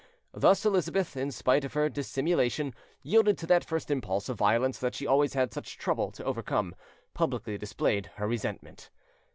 Thus Elizabeth, in spite of her dissimulation, yielding to that first impulse of violence that she always had such trouble to overcome, publicly displayed her resentment.